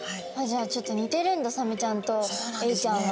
じゃあちょっと似てるんだサメちゃんとエイちゃんは。